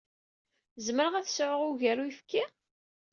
Zemreɣ ad sɛuɣ ugar n uyefki?